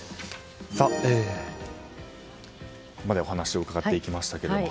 ここまでお話を伺っていきましたが。